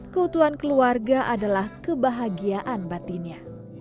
keutuhan keluarga adalah kebahagiaan batinnya